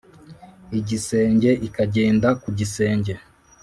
Igisenge ikagenda ku gisenge